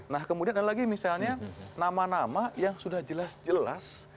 nah kemudian ada lagi misalnya nama nama yang sudah jelas jelas